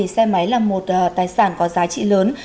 xe máy là một tài sản có giá trị lớn